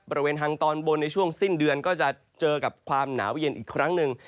บริเวณทางตอนบนในช่วงสิ้นเดือนก็จะเจอกับความหนาวเย็นอีกครั้งหนึ่ง